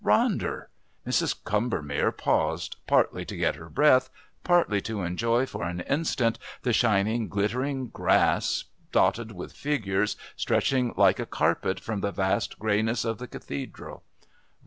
Ronder! Mrs. Combermere paused, partly to get her breath, partly to enjoy for an instant the shining, glittering grass, dotted with figures, stretching like a carpet from the vast greyness of the Cathedral.